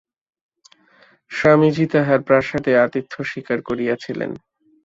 স্বামীজী তাঁহার প্রাসাদে আতিথ্য স্বীকার করিয়াছিলেন।